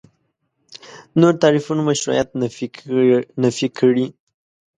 نورو تعریفونو مشروعیت نفي کړي.